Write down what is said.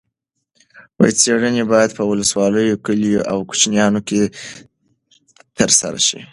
څېړنې باید په ولسوالیو، کلیو او کوچیانو کې ترسره شي.